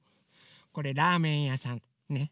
これラーメンやさんね！